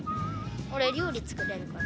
俺、料理作れるから。